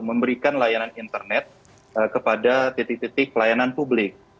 memberikan layanan internet kepada titik titik layanan publik